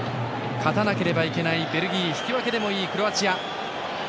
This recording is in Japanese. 勝たなければいけないベルギー引き分けでもいいクロアチア。